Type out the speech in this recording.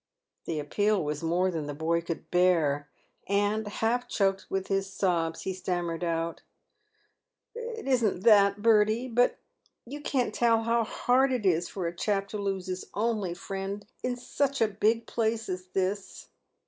The appeal was more than the boy could bear, and half choked with his sobs, he stammered out, "It isn't that, Bertie ; but you can't tell how hard it is for a chap to lose his only friend in such a big place as this."